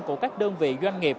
của các đơn vị doanh nghiệp